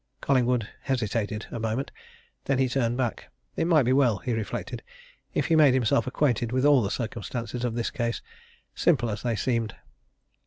Collingwood hesitated a moment; then he turned back. It might be well, he reflected, if he made himself acquainted with all the circumstances of this case, simple as they seemed.